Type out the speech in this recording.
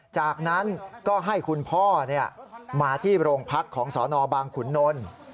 จากนั้นก็ให้คุณพ่อมาที่โรงพักของสนบางขุนนล